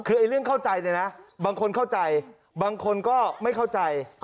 คือเรื่องเข้าใจเนี่ยนะบางคนเข้าใจบางคนก็ไม่เข้าใจ